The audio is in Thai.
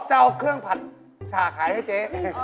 จะเอาเครื่องผัดฉากขายให้เจ๊